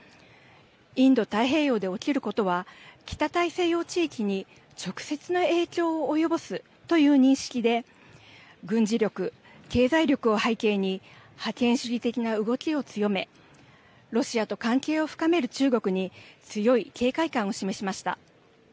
インド太平洋で起きることは北大西洋地域に直接の影響を及ぼすという認識で軍事力、経済力を背景に覇権主義的な動きを強めロシアと関係を深める中国に強い警戒感を示しました。